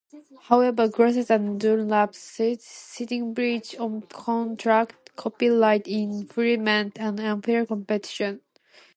However, Grosset and Dunlap sued, citing "breach of contract, copyright infringement, and unfair competition".